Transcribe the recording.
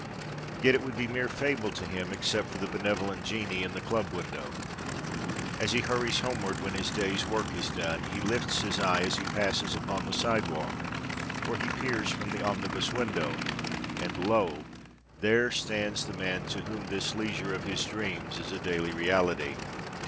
Yet it would be mere fable to him except for the benevolent genii in the club window. As he hurries homeward when his day's work is done, he lifts his eye as he passes upon the sidewalk, or he peers from the omnibus window, and lo! there stands the man to whom this leisure of his dreams is a daily reality.